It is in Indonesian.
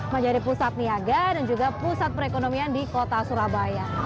menjadi pusat niaga dan juga pusat perekonomian di kota surabaya